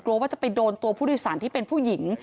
ว่าจะไปโดนตัวผู้โดยสารที่เป็นผู้หญิง